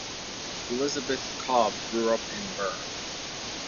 Elisabeth Kopp grew up in Bern.